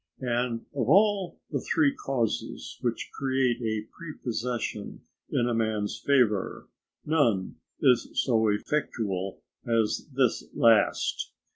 And of all the three causes which create a prepossession in a man's favour, none is so effectual as this last.